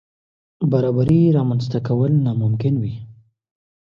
برابرۍ رامنځ ته کول ناممکن وي.